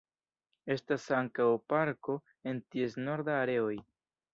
Estas ankaŭ parko en ties norda areoj.